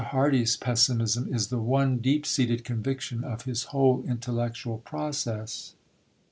Hardy's pessimism is the one deep seated conviction of his whole intellectual process.